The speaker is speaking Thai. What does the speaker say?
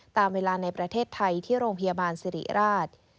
ตามเวลาในประเทศไทยที่โรงพยาบาลสิริราช